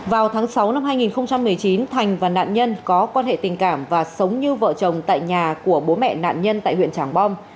vào tháng sáu năm hai nghìn một mươi chín thành và nạn nhân có quan hệ tình cảm và sống như vợ chồng tại nhà của bố mẹ nạn nhân tại huyện trảng bom